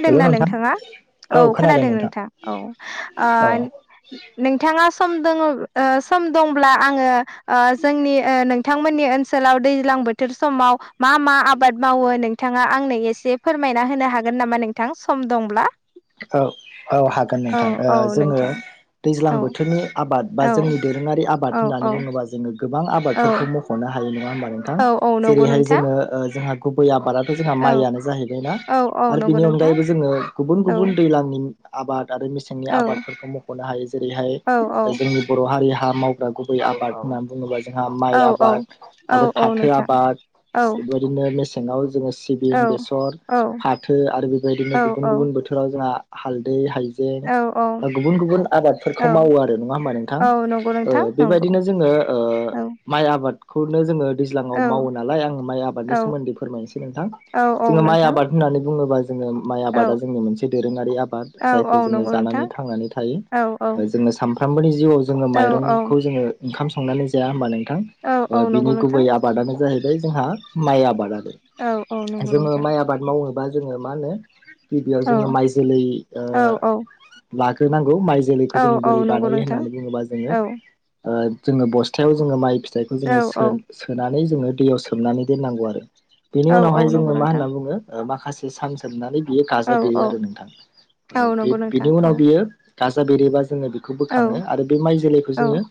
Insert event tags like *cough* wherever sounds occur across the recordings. हेल' नोंथां नोंथाङा? औ खोनादों नोंथां औ औ नोंथाङा सम दं सम दंब्ला आङो जोंनि नोंथमोननि ओनोलाव दै बोथोर समाव मा मा आबाद मावो नोंथाङा आंनो एसे फोरमाय होनो हागोन नामा नोंथां सम दंब्ला। औ औ हागोन औ नोंथां औ जोङो नोंथां दैज्लां औ बोथोरनि आबाद बा औ जोंनि दोरोङारि आबाद औ होननानै औ बुङोबा जोङो गोबां औ आबादफोरखौ मख'नो हायो ह नङा होमबा नोंथां औ औ नंगौ जेरैहाय नोंथां जोङो जोंहा गुबै आबाद जोंहा औ माइयानो जाहैबायनाा औ औ आरो नंगौ बिनि नोंथां अनगायैबो जोङो गुबुन औ गुबुन दैज्लांनि आबाद आरो मेसेंनि औ आबादफोरखौ मख'नो हायो जेरैहाय औ जोंनि बर' हारि हा गुबै औ आबाद होननानै बुङोबा जोंहा माइ औ औ आबाद औ आरो औ फाथो नोंथां आबाद औ बेबायदिनो मे सि जोङो औ सिबिं बेसर औ फाथो आरो बेबायदिनो औ गुबुन औ गुबुन बोथोर हालदै हाइजें औ औ गुबुन गुबुन आबादफोरखौ औ मावो आरो नङा होमबा नोंथां औ नंगौ नोंथां नंगौ बेबायदिनो जोङो औ माइ आबादखौनो जोङो दैज्लांआव औ मावो नालाय आं माइ आबादनि औ सोमोन्दै फोरमायनोसै नोंथां औ औ जोङो माइ नोंथां आबाद होननानै बुङोबा जोङो माइ औ आबादा जोंनि मोनसे दोरोङारि आबाद औ औ जायखौ जोङो नंगौ नोंथां जानानै थांनानै औ औ थायो। जोङो सानफ्रामबोनि जिउआव जोङो औ औ माइरंखौ जोङो ओंखाम संनानै जाया होमबा नोंथां औ औ नंगौ बिनि नोंथां गुबै आबादानो जाहैबाय जोंहा माइ आबाद आरो औ औ नंगौ जोङो नोंथां माइ आबाद मावोबा जोङो मा होनो गिबियाव औ जोङो माइ जोलै ओ। औ औ लाग्रोनांगौ माइ जोलैखौ औ जोङो औ बोरै नंगौ बानायो नोंथां होननानै बुङोबा औ जोङो ओ जोङो बस्थायाव जोङो माइ फिथाइखौ औ जोङो सोनानै जोङो दैयाव सोमनानै दोननांगौ आरो। बेनि औ औ उनावहाय नंगौ जोङो मा नोंथां होन्ना बुङो माखासे सान सोबनानै बियो गा औ यो आरो नोंथां औ बे नंगौ बिनि नोंथां औ उनाव बियो गाजा बेरोबा जोङो बेखौ औ बोखाङो आरो बे माइ जोलैखौ खौ औ जोङो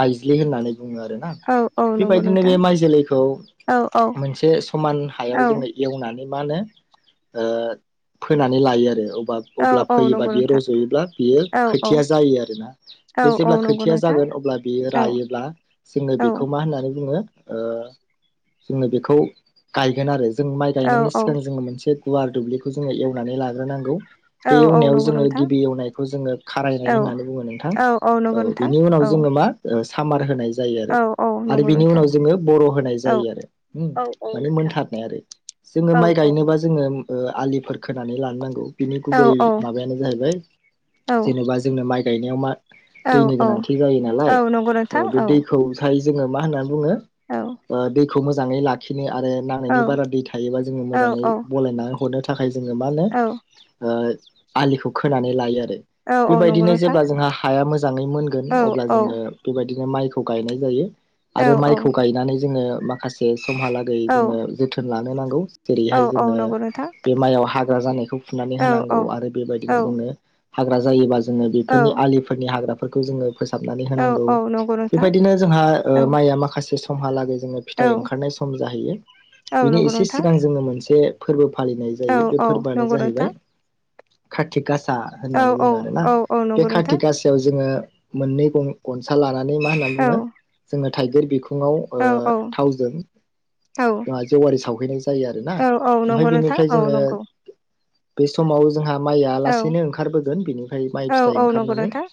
माइज्लि होननानै बुङो आरोना। औ औ नंगौ बेबायदिनो बे नोंथां माइ जोलैखौ औ औ मोनसे समान हायाव औ जोङो एवनानै मा होनो ओ फोनानै लायो आरो औ अब्ला औ फैयोबा नंगौ बियो नोंथां औ रज'योब्ला बेयो औ खोथिया जायो आरोना बे औ जेब्ला नंगौ खोथिया नोंथां जागोन अब्ला बेयो औ रायोब्ला जोङो औ बेखौ मा होननानै बुङो ओ जोङो बेखौ गायगोन आरो जों माइ गायनायनि सिगां औ जोङो मोनसे गुवार दुब्लिखौ जोङो एवनानै लाग्रोनांगौ औ बे औ एवनायाव नंगौ जोङो गिबि नोंथां एवनायखौ जोङो खारायनाय औ होननानै बुङो नोंथां औ औ नंगौ नोंथां बिनि उनाव औ जोङो मा ओ सामार होनाय जायो आरो औ औ आरो नंगौ बिनि नोंथां उनाव जोङो बर' होनाय औ जायो आरो औ औ माने नोंथां मोनथारनाय आरो जोङो औ माइ औ गायनोबा नोंथां जोङो आलिफोर खोनानै लानो नांगौ बिनि गुबै औ औ माबायानो जाहैबाय जेनेबा जोंनो माइ गाइनायाव मा औ दैनि औ गोनांथि जायो औ नालाइ नंगौ नोंथां ओ बे औ दैखौ सारि जोङो मा होननानै बुङो औ ओ दैखौ मोजाङै लाखिनाया आरो औ नांनायनि बारा दै थायोबा जोङो औ मोजाङै बलायनानै हरनो थाखाय जोङो मा होनो औ ओ आलिखौ खोनानै लायो आरो औ औ नंगौ बेबायदिनो नोंथां जेब्ला जोंहा हाया मोजाङै मोनगोन औ अब्ला औ जोङो बेबायदिनो माइखौ गायनाय जायो औ औ आरो माइखौ गायनानै जोङो माखासे समहालागै जोङो जोथोन लानो नांगौ जेरैहाय औ जोङो नंगौ नोंथां औ बे हाग्रा जानायखौ फुनानै औ होनांगौ आरो बेबायदिनो जोंनो हाग्रा जायोबा जोङो बेफोरनि आलिफोरनि हाग्राफोरखौ जोङो फोसाबनानै होनांगौ औ औ नंगौ नोंथां औ बेबायदिनो जोंहा माइया माखासे समहालागै जोङो औ फिथाइ ओंखारनाय सम जाहैयो औ नंगौ बिनि एसे नोंथां सिगां जोङो मोनसे फोरबो फालिनाय औ जायो बे औ फोरबोआनो नंगौ नोंथां जाहैबाय कारटिख गासा औ होननानै बुङो औ आरोना औ औ बे नंगौ कारथिख नोंथां गासायाव जोङो मोननै गं गनसा लानानै मा होननानै औ बुङो जोङो थाइगिर बिखुंङाव ओ औ थावजों औ औ जोंहा जेवारि सावहैनाय जायो आरो ना औ ओमफ्राय नंगौ बेनि नोंथां औ नंगौ बे समाव जोंहा माइआ औ लासैनो ओंखारबोगोन बेनिफ्राय माइ औ फिथाइ औ नंगौ ओंखारनानै नोंथां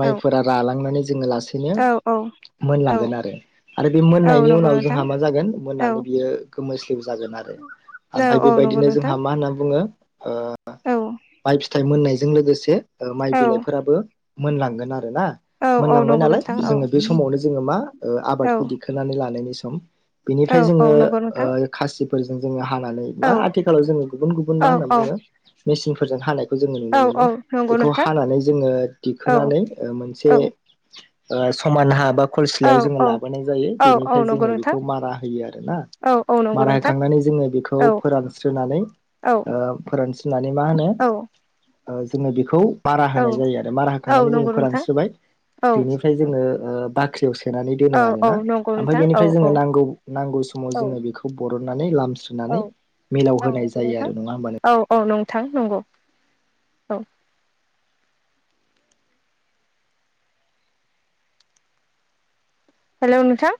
औ माइफोरा रालांनानै जोङो लासैनो औ औ औ मोनलांगोन आरो आरो बे औ मोननायनि नंगौ उनाव नोंथां जोंहा मा जागोन औ मोननानै बियो गोमोस्लिउ जागोन आरो औ ओमफ्राय औ नंगौ बेबायदिनो नोंथां जोंहा मा होनना बुङो ओ औ माइ फिथाइ मोननायजों लोगोसे ओ माइ औ बिलाइफोराबो मोनलांगोन आरो ना औ औ मोनलांबाय नंगौ नालाय नोंथां जोङो बे औ समावनो जोङो मा ओ औ आबादखौ दिखोनानै लानायनि सम औ बेनिफ्राइ औ जोङो नंगौ ओ नोंथां खासि फोरजों जोङो हानानै औ बा आथिखालाव जोङो गुबुन गुबुन मा औ होन्नानै बुङो मेसिनफोरजों हानायखौ जोङो नुनो औ मोनो औ नंगौ बेखौ नोंथां हानानै जों ओ औ दिखोनानै ओ मोनसे औ ओ समान हा बा खलेस औ लाय्फआव जोङो लाबोनाय जायो औ औ बेनिफ्राय नंगौ जोङो नोंथां बेखौ मारा होयो आरोना। औ औ नंगौ मारा नोंथां होखांनानै जोङो बेखौ औ फोरान स्रोननानै औ फोरानस्रिनानै मा होनो औ जोङो बेखौ मारा होनाय जायो। आरो मारा औ होखांनानै जोङो नंगौ नोंथां फोरानस्राय औ बेनिफ्राय जोङो बाख्रियाव सोनानै दोनो औ औ आरोना नंगौ ओमफ्राय नोंथां औ बिनिफ्राय जोंड़ो नांगौ-नांगौ समाव औ जों बेखौ बारननानै लाम सुनानै औ नंगौ नोंथां औ- औ नोंथां नंगौ औ। हेल नोंथां।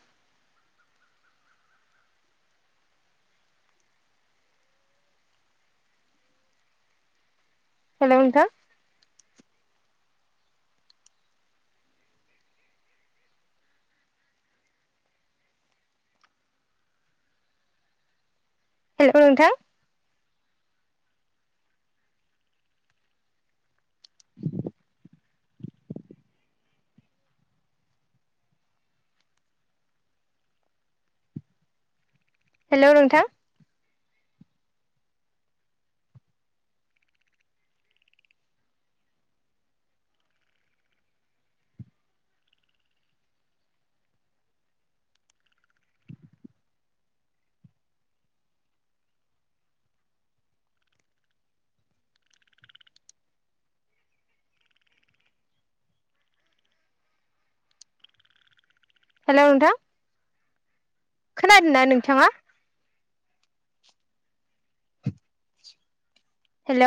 हेल' नोंथां। हेल' नोंथां। हेल' नोंथां। हेल' नोंथां। खोनादोंना नोंथाङा? हेल'।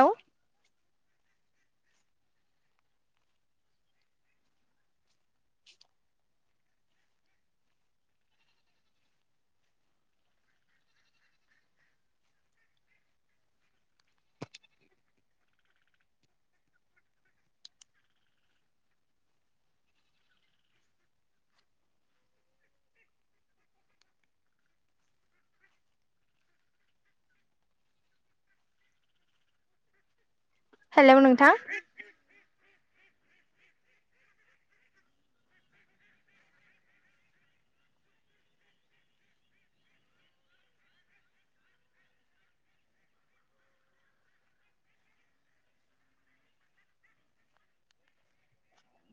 हेल' नोंथां।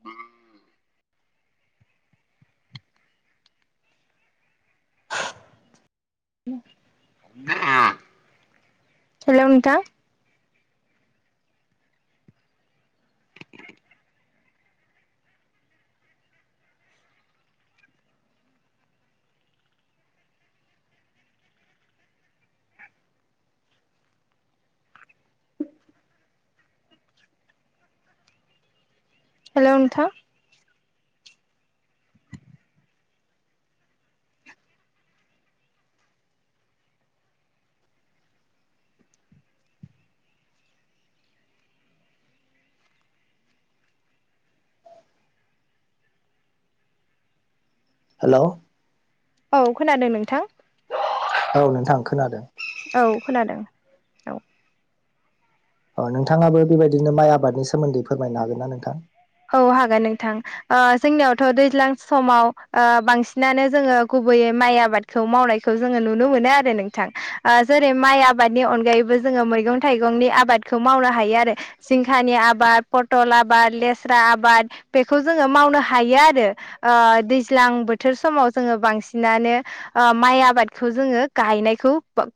औ। *inaudible* हेल' नोंथां। हेल' नोंथां। हेल'। औ खोनादों नोंथां। औ नोंथां खोनादों। औ खोनादों औ। अ नोंथाङाबो बेबायदिनो माइ आबादनि सोमोन्दै फोरमायनो हागोन ना नोंथां? औ हा हागोन नोंथां जोंनियावथ' दैज्लां समाव बांसिनानो जोङो गुबैयै माइ आबादखौ मावनायखौ जोङो नुनो मोनो आरो नोंथां जेरै माइ आबादनि अनगायैबो जोङो मैगं - थाइगंनि आबादखौ मावनो हायो आरो जिंखानि आबाद पथलनि आबाद लेसरा आबाद बेखौ जोङो मावनो हायो आरो ओ दैज्लां बोथोर समाव जोङो बां -सिनानो माइ आबादखौ जोङो गायनायखौ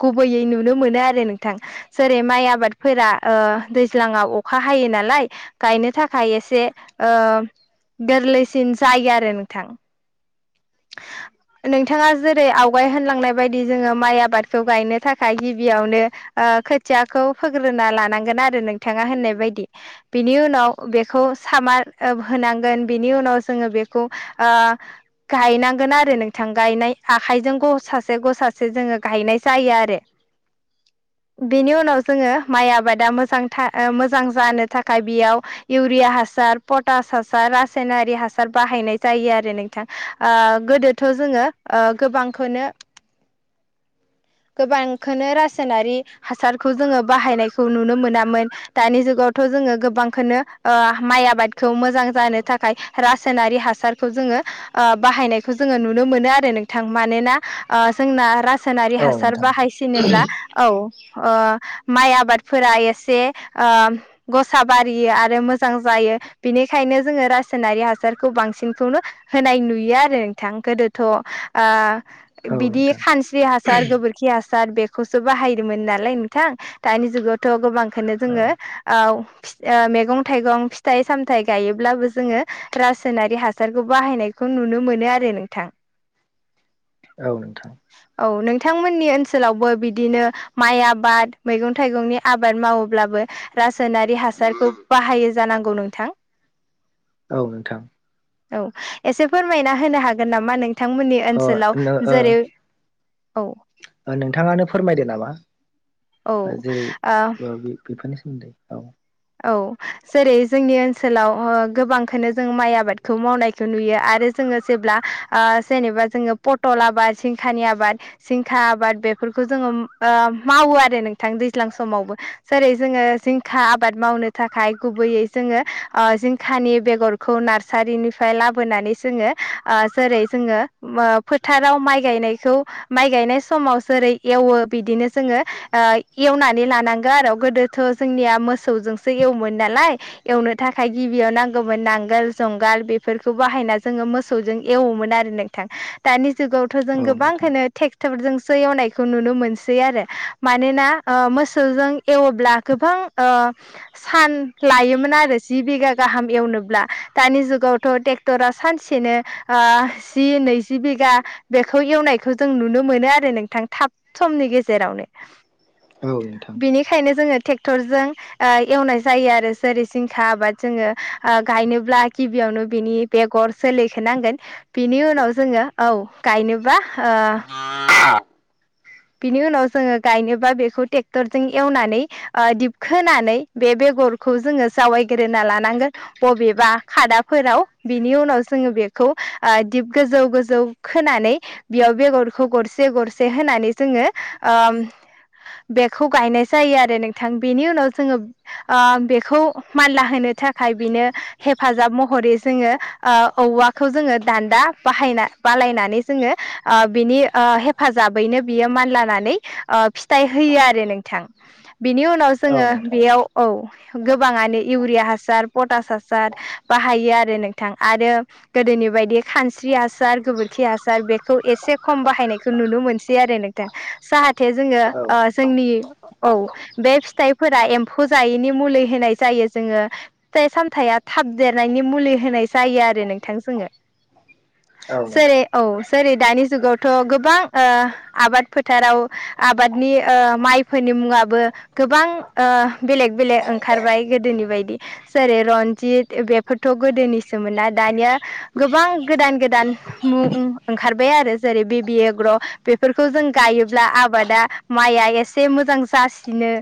गुबैयै नुनो मोनो आरो नोंथां। जेरै माइ आबादफोरा ओ दैज्लाङाव अखा हायो नालाय गायनो थाखाय एसे एसे ओ गोरलैसिन जायो आरो नोंथां। *inaudible* नोंथाङा जेरै आवगाय होनलांनाय बायदि जोङो माइ आबादखौ गायनो थाखाय गिबियावनो ओ खोथियाखौ फोग्रोना लानांगोन आरो नोंथाङा होननाय बायदि बिनि उनाव बेखौ सामा होनांगोन बिनि उनाव जोङो बेखौ ओ गायनांगोन आरो नोंथां गायनाय आखाइजों ग सासे ग सासे जोङो गायनाय जायो आरो। *inaudible* बेनि उनाव जोङो माइ आबादा मोजांथा- मोजां जानो थाखाय बेयाव इउरिया हास हासार पटास हासार रासायनारि हासार बाहायनाय जायो आरो नोंथां। ओ गोदोथ' जोङो गोबांखौनो गोबांखौनो रासायनारि हासारखौ जोङो बाहायनायखौ नुनो मोनामोन दानि जुगाव जोङो गोबांखौनो माइ आबादखौ मोजां जानो थाखाय रासायनारि हासारखौ जोङो ओ बाहायनायखौ जोङो नुनो मोनो आरो नोंथां मानोना जोंना राज सोनारि औ हासार नोंथां बाहायसिनोब्ला औ। ओ माइ आबादफोरा एसे ओ गसा बारियो आरो मोजां जायो। बेनिखायनो जोङो रासायनारि हासारखौ बांसिनखौनो होनाय नुयो आरो नोंथां गोदोथ' ओ औ बिदि नोंथां खानस्रि हासार गोबोर - खि हासार बेखौसो बाहायदोंमोन नालाय नोंथां दानि जुगावथ' गोबांखौनो औ जोङो मैगं -थाइगं, फिथाइ -सामथाय गायोब्लाबो जोङो रासायनारि हासारखौ बाहाय नायखौ नुनो मोनो आरो नोंथां। औ नोंथां। औ नोंथांमोन मोन्नि ओनसोलावबो बिदिनो माइ आबाद मैगं थाइगंनि आबाद मावोब्लाबो रासोन नारि हासारखौ बाहायो जानांगौ नोंथां। औ नोंथां। औ एसे फोरमायना होनो हागोन नामा नों थांमोननि अ ओनसोलाव नो जेरै औ। ओ नोंथाङानो फोरमायदो नामा ओ जेरै बे-बे- बेफोरनि सोमोन्द दै औ। औ जेरै जोंनि ओनसोलाव ह गोबांखोनो जों माइ आबादखौ मावनायखो नुयो आरो जों जोङो जेब्ला ओ जेनेबा जोङो पथल आबा जिंखानि आबाद जिंखा आबाद बेफोरखौ जोङो उम ओ मावो आरो नोंथां दैज्लां समावबो जेरै जोङो जिंखा आब आबाद मावनो थाखाय गुबैयै जोङो ओ जिंखानि बेगरखौ नार्सारिनिफ्राय लाबोना नै जोङो ओ जेरै जोङो मो फोथाराव माइ गायनायखौ माइ गायनाय समाव जेरै एवो बिदिनो जोङो ओ एवनानै लानांगो आर' गोदोथ' जोंनिया मोस सौजोंसो एवोमोन नालाय एवनो थाखाय गिबियाव नांगौमोन नांगोल जुंगाल बेफोरखौ बाहाय ना जोङो मोसौजों एवोमोन आरो नोंथां दानि जुगावथ' जों औ नोंथां गोबांखोनो टेगथरजोंसो ए एवनायखौ नुनो मोनसै आरो मानोना ओ मोसौजों एवोब्ला गोबां ओ *unintelligible* *inaudible* सान लायोमोन आरो जि बिघा गाहाम एवनोब्ला दानि जुगावथ' टेक्टरा सानसेनो नो आह जि नैजि बिगा बेखौ एवनायखौ जों नुनो मोनो आरो नोंथां थाब समनि गेेजेरावनो। औ नोंथां। जोङो टेक्टरजों ओ एवनाय जायो आरो जेरै जिंखा आबाद जोङो ओ गायनोब्ला गिबियावनो बेनि बेगर गर जोलैखो नांगोन बिनि उनाव जोङो औ गायनोबा ओ बिनि उनाव जोङो गायनोबा बेखौ टेक्टरजों एवनानै ओ दिब खोनानै बे बेग गरखौ जोङो जावायग्रोना लानांगोन बबेबा खादाफोराव बिनि उनाव जोङो बे खौ ओ दिप गोजौ गोजौ खोनानै बेयाव बेगरखौ गरसे गरसे होनानै ज जोङो ओम बेखौ गायनाय जायो आरो नोंथां बेनि उनाव जोङो ओ बेखौ मान्ला होनो थाखाय बिनो हेफाजाब महरै जोङो ओ औवाखौ जोङो दान्दा बाहायना। बालायनानै जोङो ओ बिनि ओ हेफाजाबैनो बियो मानलानानै ओ फिथाइ होयो आरो नोंथां। बिनि उनाव औ जोङो नोंथां बेयाव औ। गोबाङानो इउरिया हासार पटास हासार बाहायो आरो नोंथां आरो गोदोनि बेबायदि खानस्रि हासार गोबोरखि हासार बेखौ एसे खम बाहायनायखौ नुनो मोनस सै आरो नोंथां जाहाथे जोङो औ ओ जोंनि औ बे फिथाइफोरा एम्फौ जायैनि मुलै होनाय जायो जोङो फिथाइ सामथाया थाब देरनायनि मुलि होनाय जायो आरो नो नोंथां जोङो औ नोंथां सेरै औ जेरै दानि जुगावथ' गोबां ओ आबाद फोथाराव आबादनि ओ माइफोरनि मुङाबो गोबां ओ बेलेग। बेले ओंखारबाय गोदोनि बायदि जेरै रन्जित बेफोरथ' गोदोनिसोमोना दानिया आ गोबां गोदान गोदान मुउं ओंखारबाय आरो जेरै बेबि एग्र' बेफोरखौ जों गायोब्ला आबादा माइया एसे मोजां जासिनो।